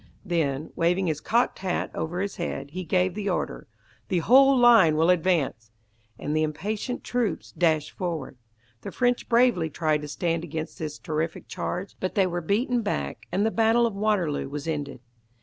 Then, waving his cocked hat over his head, he gave the order, "The whole line will advance", and the impatient troops dashed forward. The French bravely tried to stand against this terrific charge, but they were beaten back, and the battle of Waterloo was ended.